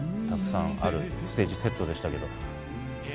たくさんあるステージセットでしたけど。